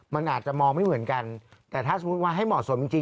มันอาจจะมองไม่เหมือนกันแต่ถ้าสมมุติว่าให้เหมาะสมจริง